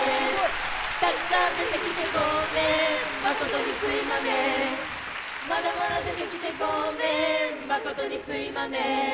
「たくさん出てきてごめんまことにすいまめん」「まだまだ出てきてごめんまことにすいまめん」